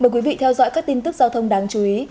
mời quý vị theo dõi các tin tức giao thông đáng chú ý